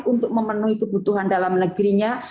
untuk memenuhi kebutuhan dalam negerinya